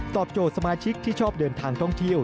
โจทย์สมาชิกที่ชอบเดินทางท่องเที่ยว